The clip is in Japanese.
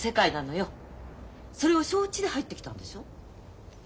それを承知で入ってきたんでしょ？